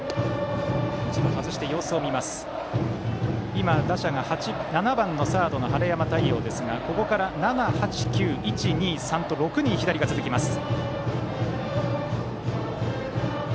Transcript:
今、打者が７番のサードの晴山太陽ですがここから７、８、９１、２、３と６人、左が続きます。